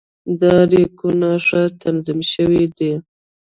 دا ریکونه ښه تنظیم شوي دي.